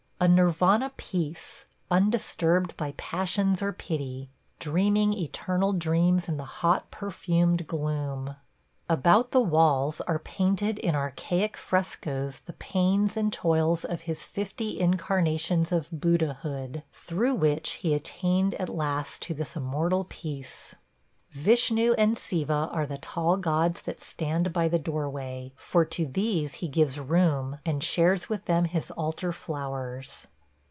A Nirvana peace, undisturbed by passions or pity ... dreaming eternal dreams in the hot, perfumed gloom. About the walls are painted in archaic frescoes the pains and toils of his fifty incarnations of Buddhahood, through which he attained at last to this immortal peace. Vishnu and Siva are the tall gods that stand by the doorway, for to these he gives room and shares with them his altar flowers.